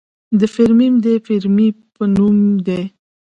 د فیرمیم د فیرمي په نوم دی.